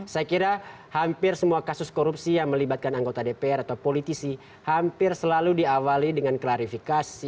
saya kira hampir semua kasus korupsi yang melibatkan anggota dpr atau politisi hampir selalu diawali dengan klarifikasi